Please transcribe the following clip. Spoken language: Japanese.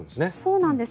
そうなんです。